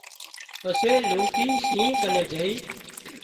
پسي لونڪي شينهن ڪنين جھئي